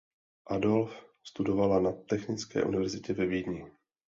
Adolph studoval na Technické univerzitě ve Vídni.